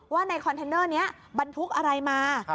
ว่าในคอนเทนเนอร์นี้บรรทุกอะไรมา